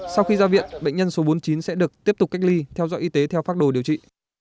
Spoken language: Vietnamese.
sau khi ra viện bệnh nhân số bốn mươi chín sẽ được tiếp tục cách ly theo dõi y tế theo phác đồ điều trị